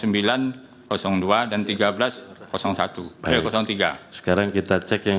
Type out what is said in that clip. baik sekarang kita cek yang